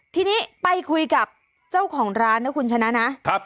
ทีนี้ไปคุยกับเจ้าของร้านนะคุณชนะนะ